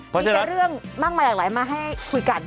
มีแต่เรื่องมากมายหลากหลายมาให้คุยกัน